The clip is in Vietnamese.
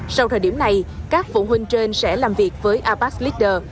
sau thời điểm này các phụ huynh trên sẽ làm việc với abax leader